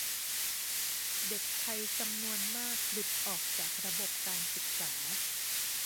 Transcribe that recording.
เด็กไทยจำนวนมากหลุดออกจากระบบการศึกษา